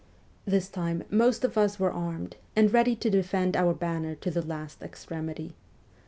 This time most of us were WESTERN EUROPE 205 armed, and ready to defend our banner to the last extremity.